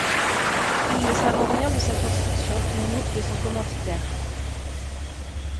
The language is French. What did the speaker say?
Nous ne savons rien de sa construction ni de son commanditaire.